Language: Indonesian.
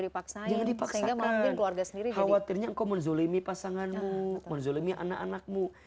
dipaksa yang dipaksa keluarga sendiri khawatirnya engkau menzulimi pasanganmu menzulimi anak anakmu